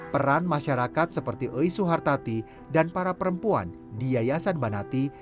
peran masyarakat seperti eis suhartati dan para perempuan di yayasan banati